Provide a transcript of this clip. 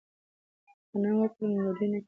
که غنم وکرو نو ډوډۍ نه کمیږي.